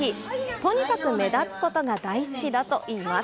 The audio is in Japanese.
とにかく目立つことが大好きだといいます。